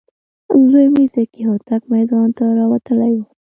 زوی مې ذکي هوتک میدان ته راوتلی و.